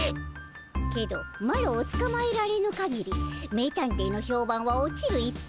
けどマロをつかまえられぬかぎり名探偵の評判は落ちる一方。